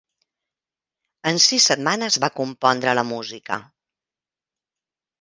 En sis setmanes va compondre la música.